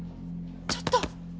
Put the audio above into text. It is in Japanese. ちょっと。